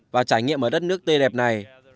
và trải nghiệm ở đất nước tê đẹp này